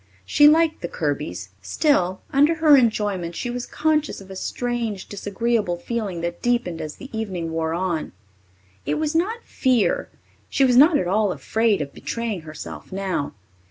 She liked the Kirbys; still, under her enjoyment, she was conscious of a strange, disagreeable feeling that deepened as the evening wore on. It was not fear she was not at all afraid of betraying herself now.